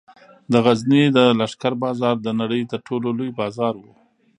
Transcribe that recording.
د غزني د لښکر بازار د نړۍ تر ټولو لوی بازار و